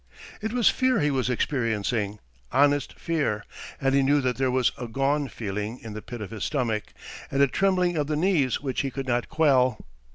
It was fear he was experiencing, honest fear, and he knew that there was a "gone" feeling in the pit of his stomach, and a trembling of the knees which he could not quell.